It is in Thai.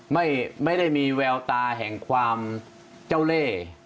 ไม่ได้มีแววตาแห่งความเจ้าเล่